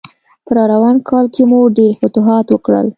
په راروان کال کې مو ډېر فتوحات وکړل.